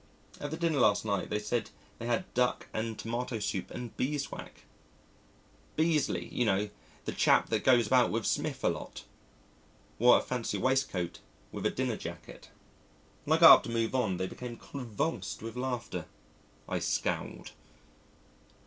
At the dinner last night, they said, they had Duck and Tomato Soup and Beeswax ("Beesley, you know, the chap that goes about with Smith a lot") wore a fancy waistcoat with a dinner jacket. When I got up to move on, they became convulsed with laughter. I scowled.